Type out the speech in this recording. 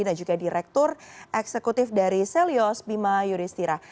dan juga direktur eksekutif dari selyos bima yudhistira